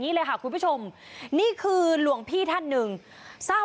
เลยค่ะคุณผู้ชมนี่คือหลวงพี่ท่านหนึ่งทราบ